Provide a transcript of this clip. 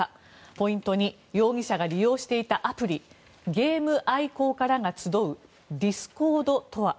ポイント２容疑者が利用していたアプリゲーム愛好家らが集うディスコードとは？